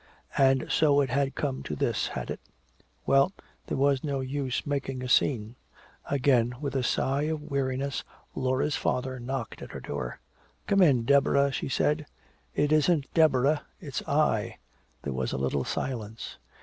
And so it had come to this, had it. Well, there was no use making a scene. Again, with a sigh of weariness, Laura's father knocked at her door. "Come in, Deborah," she said. "It isn't Deborah, it's I." There was a little silence.